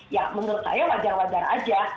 ya menurut saya wajar wajar aja